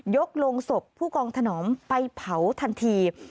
โรงศพผู้กองถนอมไปเผาทันที